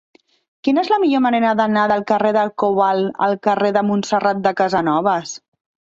Quina és la millor manera d'anar del carrer del Cobalt al carrer de Montserrat de Casanovas?